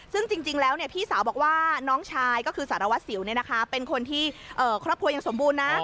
ซึ่งจริงแล้วพี่สาวบอกว่าน้องชายก็คือสารวัสสิวเป็นคนที่ครอบครัวยังสมบูรณ์นะ